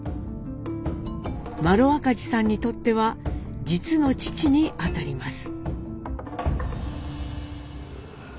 麿赤兒さんにとっては実の父に当たります。